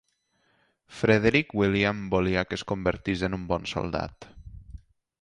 Frederic William volia que es convertís en un bon soldat.